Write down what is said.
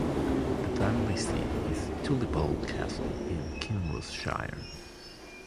The family seat is Tulliebole Castle in Kinross-shire.